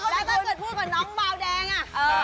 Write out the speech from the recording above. แล้วก็เกิดพูดกับน้องเบาแดง